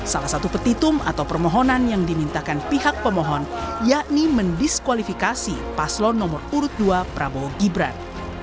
salah satu petitum atau permohonan yang dimintakan pihak pemohon yakni mendiskualifikasi paslon nomor urut dua prabowo gibran